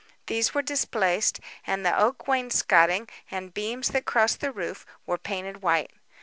These were displaced, and the oak wainscotting, and beams that crossed the roof, were painted white.